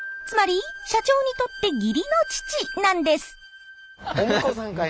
つまり社長にとって義理の父なんです。